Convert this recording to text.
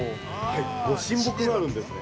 ご神木があるんですね。